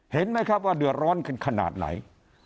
เห็นไหมครับว่าเดือดร้อนกันขนาดไหน